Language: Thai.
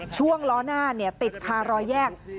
ช่วงล้อหน้าติดคารอยแยก